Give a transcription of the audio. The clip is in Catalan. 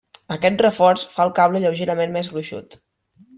Aquest reforç fa al cable lleugerament més gruixut.